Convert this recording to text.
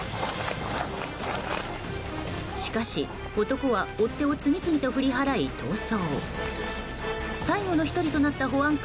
しかし、男は追っ手を次々と振り払い逃走。